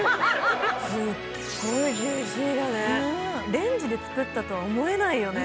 レンジで作ったとは思えないよね。